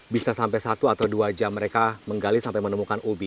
bisa sampai satu atau dua jam mereka menggali sampai menemukan ubi